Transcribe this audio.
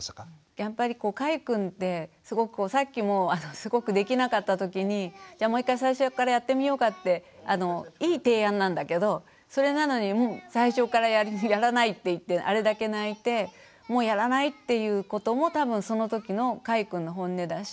やっぱりかいくんってすごくこうさっきもすごくできなかったときにじゃあもう一回最初からやってみようかっていい提案なんだけどそれなのに最初からやらないって言ってあれだけ泣いてもうやらないっていうことも多分そのときのかいくんのホンネだし。